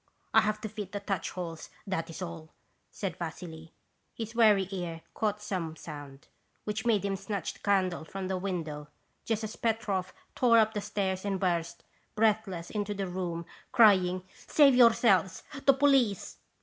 "' I have to fit the touch holes, that is all,' said Vassily. His wary ear caught some sound, which made him snatch the candle from the window, just as Petroff tore up the stairs and burst, breathless, into the room, crying: "' Save yourselves ! The police